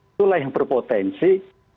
setelah yang berpotensi